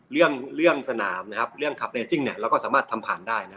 เรื่องสนามนะครับเรื่องคัพเรจิ้งเนี่ยเราก็สามารถทำผ่านได้นะ